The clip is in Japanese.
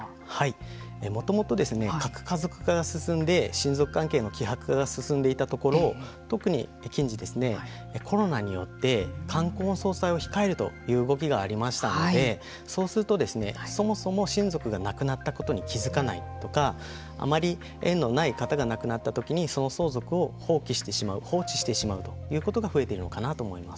もともと核家族化が進んで親族関係の希薄が進んでいたところ特に近時コロナによって冠婚葬祭を控えるという動きがありましたのでそうすると、そもそも親族が亡くなったことに気付かないとかあまり縁のない方が亡くなった時にその相続を放棄してしまう放置してしまうということが増えているのかなと思います。